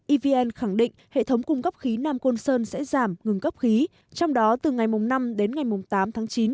evn khẳng định hệ thống cung cấp khí nam côn sơn sẽ giảm ngừng cấp khí trong đó từ ngày năm đến ngày tám tháng chín